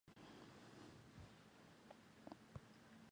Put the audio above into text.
Protagonizada por Dustin Hoffman, Jake Gyllenhaal y Susan Sarandon.